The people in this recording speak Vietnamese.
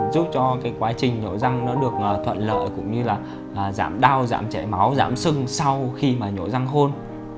giúp cho cái quá trình đổi răng nó được thuận lợi cũng như là giảm đau giảm chảy máu giảm sưng sau khi mà nhổ răng khôn